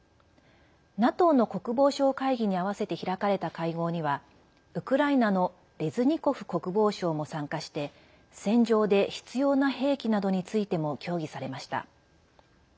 ＮＡＴＯの国防相会議に合わせて開かれた会合にはウクライナのレズニコフ国防相も参加して戦場で必要な兵器などについても協議されました。